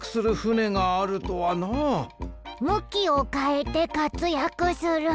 むきをかえてかつやくする。